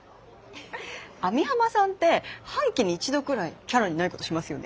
網浜さんって半期に１度くらいキャラにないことしますよね。